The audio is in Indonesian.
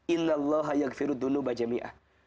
inna allaha yagfiru dunubajami'ah